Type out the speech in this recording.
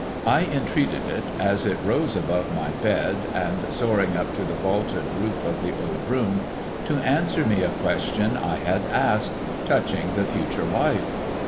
I entreated it, as it rose above my bed and soared up to the vaulted roof of the old room, to answer me a question I had asked touching the Future Life.